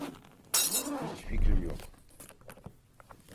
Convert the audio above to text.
Hiç fikrim yok.